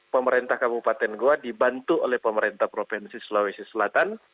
pemerintah kabupaten goa dibantu oleh pemerintah provinsi sulawesi selatan